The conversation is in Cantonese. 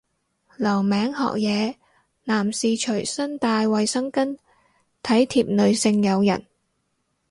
留名學嘢，男士隨身帶衛生巾體貼女性友人